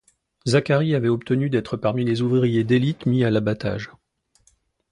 Zacharie avait obtenu d’être parmi les ouvriers d’élite mis à l’abattage.